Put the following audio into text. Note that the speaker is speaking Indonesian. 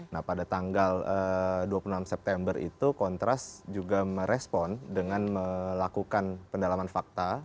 nah pada tanggal dua puluh enam september itu kontras juga merespon dengan melakukan pendalaman fakta